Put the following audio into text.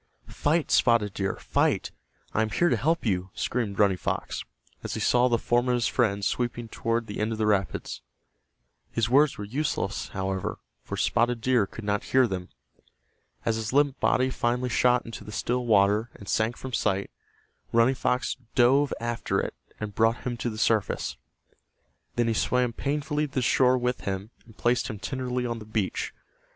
"Fight, Spotted Deer! Fight! I am here to help you!" screamed Running Fox, as he saw the form of his friend sweeping toward the end of the rapids. His words were useless, however, for Spotted Deer could not hear them. As his limp body finally shot into the still water and sank from sight, Running Fox dove after it and brought him to the surface. Then he swam painfully to the shore with him, and placed him tenderly on the beach.